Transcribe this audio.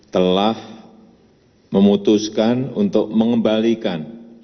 telah memutuskan untuk mengembalikan